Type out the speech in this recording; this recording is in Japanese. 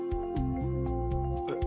えっ。